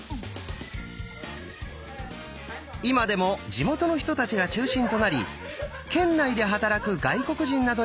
今でも地元の人たちが中心となり県内で働く外国人などにゲームの面白さを伝えています。